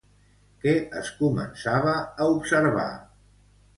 Què es començava a observar?